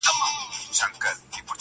بهاند صاحب دا خبره هغې زمانې ته